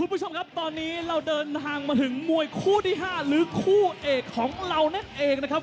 คุณผู้ชมครับตอนนี้เราเดินทางมาถึงมวยคู่ที่๕หรือคู่เอกของเรานั่นเองนะครับ